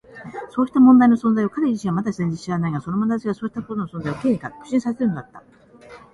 そうした問題の存在を彼自身はまだ全然知らないが、そのまなざしがそうしたことの存在を Ｋ に確信させるのだった。